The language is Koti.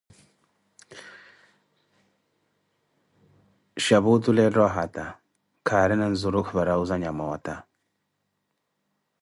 shapu otule ettha ohata, kaarina nzurukhu para wuuzanha moota.